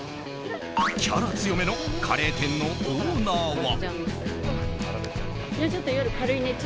キャラ強めのカレー店のオーナーは。